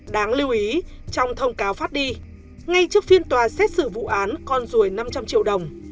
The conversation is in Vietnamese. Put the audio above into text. đáng lưu ý trong thông cáo phát đi ngay trước phiên tòa xét xử vụ án con ruồi năm trăm linh triệu đồng